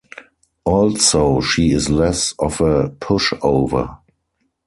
Also, she is less of a pushover.